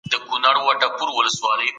کمپيوټر ګټه حسابوي.